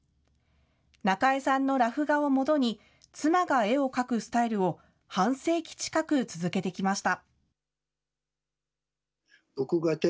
なかえさんのラフ画をもとに、妻が絵を描くスタイルを半世紀近く続けてきました。